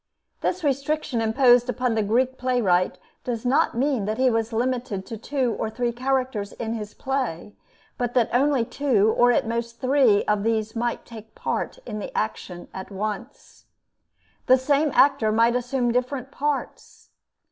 This restriction imposed upon the Greek playwright does not mean that he was limited to two or three characters in his play, but that only two, or at the most three, of these might take part in the action at once. The same actor might assume different parts.